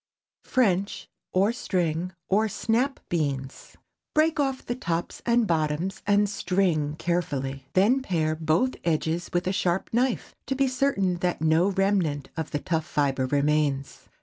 FRENCH, OR STRING OR "SNAP" BEANS. Break off the tops and bottoms and "string" carefully. Then pare both edges with a sharp knife, to be certain that no remnant of the tough fibre remains.